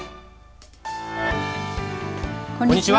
こんにちは。